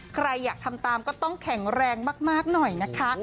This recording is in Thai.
ใครอยากทำตามก็ต้องแข็งแรงมากหน่อยนะคะ